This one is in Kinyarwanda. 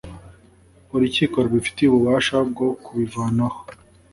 urukiko rubifitiye ububasha bwo kubivanaho